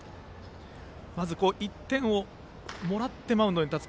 １点をもらってマウンドに立つ。